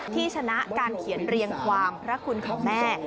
ที่ชนะการเขียนเรียงความพระคุณของแม่